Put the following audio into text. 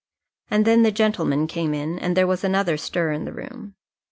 And then the gentlemen came in, and there was another stir in the room.